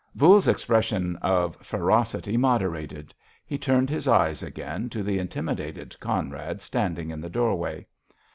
Voules's expression of ferocity moderated; he turned his eyes again to the intimidated Conrad standing in the doorway.